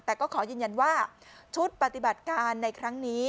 แต่ก็ขอยืนยันว่าชุดปฏิบัติการในครั้งนี้